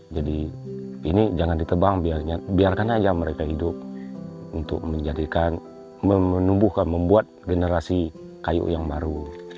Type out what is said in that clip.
jadi ini jangan ditebang biarkan saja mereka hidup untuk menjadikan menubuhkan membuat generasi kayu yang baru